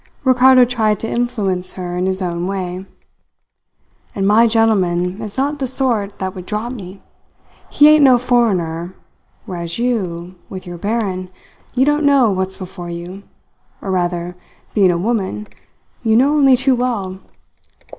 Ricardo tried to influence her in his own way. "And my gentleman is not the sort that would drop me. He ain't no foreigner; whereas you, with your baron, you don't know what's before you or, rather, being a woman, you know only too well.